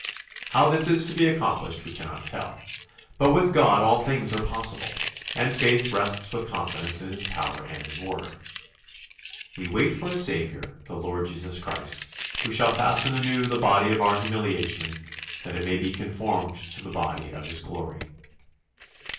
How this is to be accomplished we cannot tell, but with God all things are possible, and faith rests with confidence in His power and in His Word. "We wait for a Saviour, the Lord Jesus Christ: who shall fashion anew the body of our humiliation, that it may be conformed to the body of his glory."